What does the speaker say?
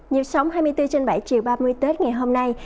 nhiều sóng hai mươi bốn trên bảy chiều ba mươi tết ngày hôm nay